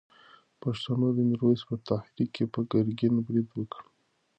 پښتنو د میرویس په تحریک پر ګرګین برید وکړ.